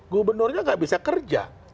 gubernurnya nggak bisa kerja